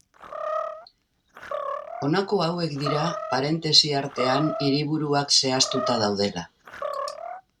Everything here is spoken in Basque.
Honako hauek dira, parentesi artean hiriburuak zehaztuta daudela.